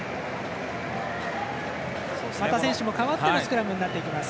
また選手が代わってのスクラムとなります。